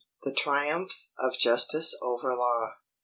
THE TRIUMPH OF JUSTICE OVER LAW.